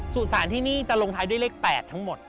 สุสานที่นี่จะลงท้ายด้วยเลข๘ทั้งหมด